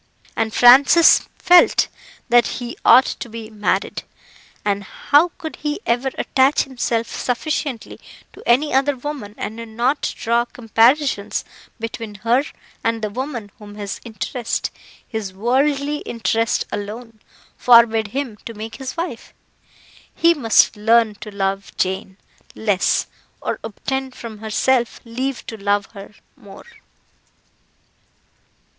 And Francis felt that he ought to be married; and how could he ever attach himself sufficiently to any other woman and not draw comparisons between her and the woman whom his interest his worldly interest alone forbade him to make his wife? He must learn to love Jane less, or obtain from herself leave to love her more.